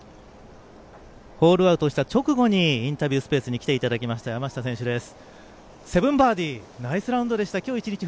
ホールアウトした直後にインタビュースペースに来ていただきました山下選手です。